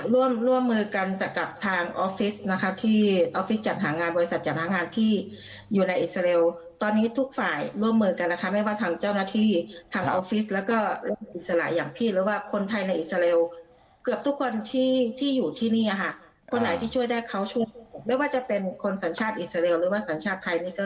ร่วมร่วมมือกันจากกับทางออฟฟิศนะคะที่ออฟฟิศจัดหางานบริษัทจัดหางานที่อยู่ในอิสราเอลตอนนี้ทุกฝ่ายร่วมมือกันนะคะไม่ว่าทางเจ้าหน้าที่ทางออฟฟิศแล้วก็อิสระอย่างพี่หรือว่าคนไทยในอิสราเอลเกือบทุกคนที่ที่อยู่ที่นี่ค่ะคนไหนที่ช่วยได้เขาช่วงไม่ว่าจะเป็นคนสัญชาติอิสราเอลหรือว่าสัญชาติไทยนี่ก็